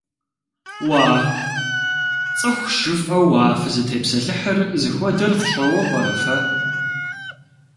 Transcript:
Уа, цӀыхущ жыфӀэу а фызытепсэлъыхьыр зыхуэдэр фщӀэуэ пӀэрэ фэ?